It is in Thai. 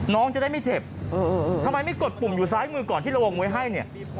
น้องจะได้ไม่เจ็บทำไมไม่กดปุ่มอยู่ซ้ายมือก่อนที่เราวงไว้ให้เนี่ย